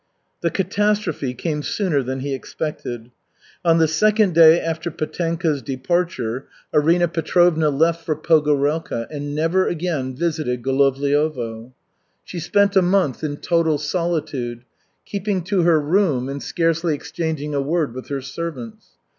The catastrophe came sooner than he expected. On the second day after Petenka's departure Arina Petrovna left for Pogorelka, and never again visited Golovliovo. She spent a month in total solitude, keeping to her room and scarcely exchanging a word with her servants.